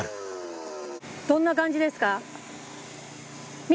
どんな感じですか？